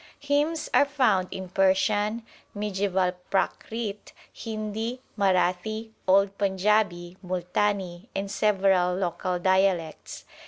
Hymns are found in Persian, mediaeval Prakrit, Hindi, Marathi, old Panjabi, Multani, and several local dialects.